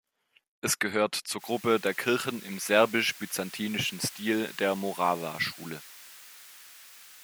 Es gehört zur Gruppe der Kirchen im serbisch-byzantinischen Stil der Morava-Schule.